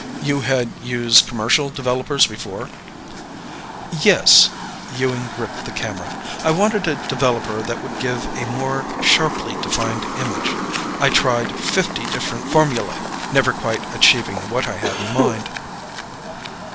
"You had used commercial developers before?" "Yes." Ewing gripped the camera. "I wanted a developer that would give a more sharply defined image. I tried fifty different formulae never quite achieving what I had in mind."